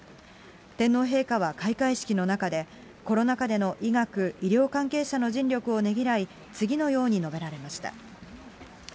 天皇陛下は開会式の中で、コロナ禍での医学、医療関係者の尽力をねぎらい、次のように述べられました。